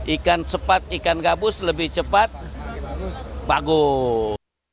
ikan cepat ikan gabus lebih cepat bagus